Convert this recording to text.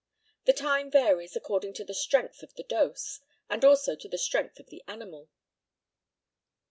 The time varies according to the strength of the dose, and also to the strength of the animal.